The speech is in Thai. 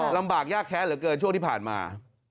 ลำบากยากแค้นเหลือเกินช่วงที่ผ่านมา